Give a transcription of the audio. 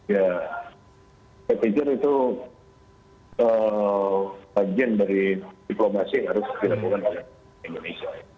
ya saya pikir itu bagian dari diplomasi harus kita lakukan di indonesia